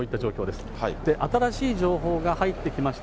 で、新しい情報が入ってきました。